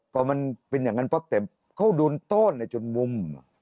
เพราะมันเป็นอย่างนั้นเพราะว่าเขาโดนโต้นในจนมุม